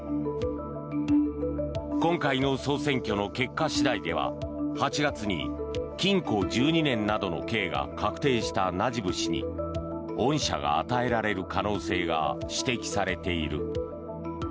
今回の総選挙の結果次第では８月に禁錮１２年などの刑が確定したナジブ氏に恩赦が与えられる可能性が指摘されている。